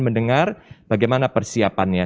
mendengar bagaimana persiapannya